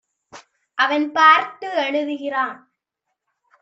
அவன் பார்த்து எழுதுகிறான்.